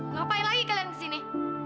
ngapain lagi kalian disini